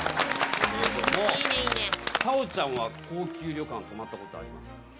太鳳ちゃんは高級旅館、泊まったことあります？